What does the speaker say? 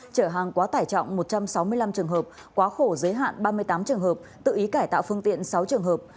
trở hàng quá tải trọng một trăm sáu mươi năm trường hợp quá khổ giới hạn ba mươi tám trường hợp tự ý cải tạo phương tiện sáu trường hợp